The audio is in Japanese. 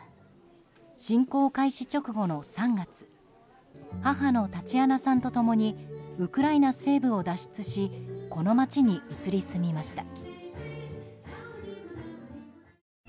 侵攻開始直後の３月母のタチアナさんと共にウクライナ西部を脱出しこの町に移り住みました。